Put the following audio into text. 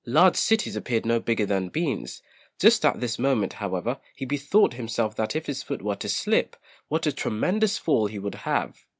Large cities appeared no bigger than beans just at this moment, however, he bethought himself that if his foot were to slip, what a tremendous fall he would have.